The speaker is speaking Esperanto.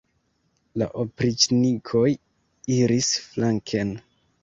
La opriĉnikoj iris flanken.